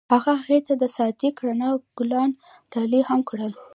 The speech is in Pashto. هغه هغې ته د صادق رڼا ګلان ډالۍ هم کړل.